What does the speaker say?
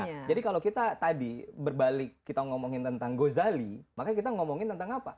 nah jadi kalau kita tadi berbalik kita ngomongin tentang gozali maka kita ngomongin tentang apa